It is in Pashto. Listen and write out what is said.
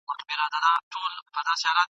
د ښار خلک هم پر دوو برخو وېشلي ..